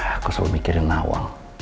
aku selalu mikirin nawal